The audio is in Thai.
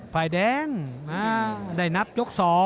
ฝ่ายแดงได้นับยก๒